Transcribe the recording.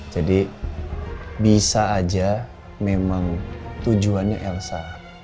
jadi bisa aja memang tujuannya elsa